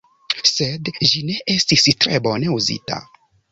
Sed ĝi ne estis tre bone uzita.